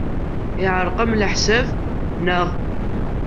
Yeɛreq-am leḥsab, naɣ?